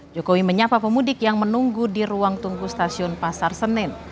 jokowi menyapa pemudik yang menunggu di ruang tunggu stasiun pasar senen